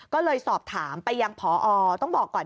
ก็เลยสอบถามไปยังพอต้องบอกก่อน